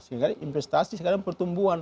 sekarang investasi sekarang pertumbuhan